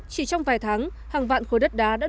chỉ trong vài tháng hàng vạn khối đất đá